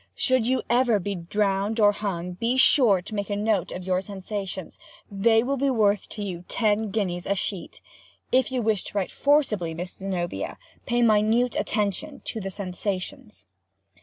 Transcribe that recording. Should you ever be drowned or hung, be sure and make a note of your sensations—they will be worth to you ten guineas a sheet. If you wish to write forcibly, Miss Zenobia, pay minute attention to the sensations."